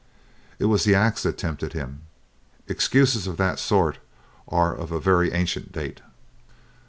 It was the axe that tempted him. Excuses of that sort are of a very ancient date.